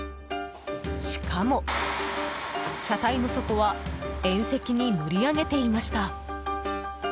しかも、車体の底は縁石に乗り上げていました。